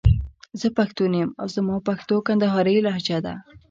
زه پښتون يم او زما پښتو کندهارۍ لهجه ده.